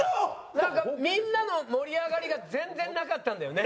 なんかみんなの盛り上がりが全然なかったんだよね。